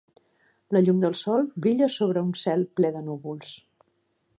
La llum del sol brilla sobre un cel ple de núvols.